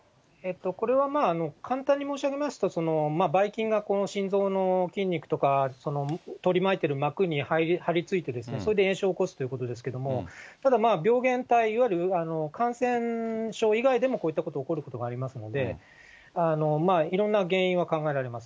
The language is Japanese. これは簡単に申し上げますと、ばい菌が心臓の筋肉とか取り巻いてる膜に貼り付いてですね、それで炎症を起こすということですけれども、ただまあ、病原体、いわゆる感染症以外でもこういったことが起こることがありますので、いろんな原因は考えられます。